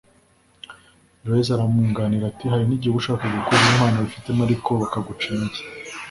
joyeuse aramwunganira ati: “hari n’igihe uba ushaka gukuza impano wifitemo, ariko bakaguca intege”